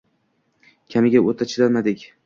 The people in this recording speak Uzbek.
Kamiga o‘ta chidamlilik